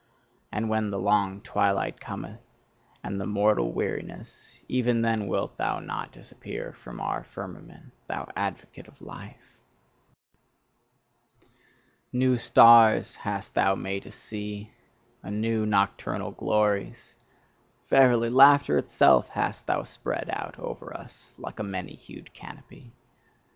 And when the long twilight cometh and the mortal weariness, even then wilt thou not disappear from our firmament, thou advocate of life! New stars hast thou made us see, and new nocturnal glories: verily, laughter itself hast thou spread out over us like a many hued canopy.